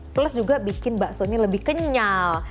plus juga bikin baksonya lebih kenyal